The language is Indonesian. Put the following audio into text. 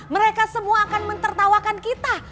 mereka semua akan mentertawakan kita